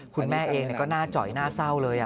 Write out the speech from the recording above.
คุณแม่เองเนี่ยก็หน้าจอยหน้าเศร้าเลยอ่ะ